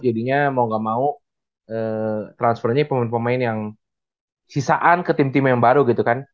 jadinya mau gak mau transfernya pemain pemain yang sisaan ke tim tim yang baru gitu kan